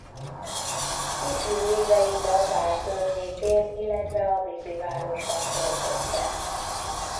Ifjú éveit a Vár környékén illetve a Vízivárosban töltötte.